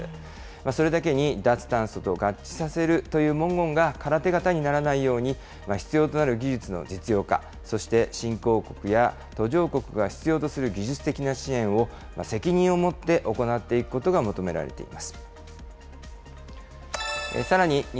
それだけに脱炭素と合致させるという文言が空手形にならないように、必要となる技術の実用化、そして新興国や途上国が必要とする技術的な支援を、責任を持って行っていくことが求められています。